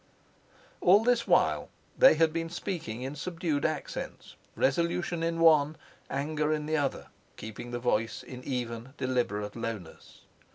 All this while they had been speaking in subdued accents, resolution in one, anger in the other, keeping the voice in an even, deliberate lowness.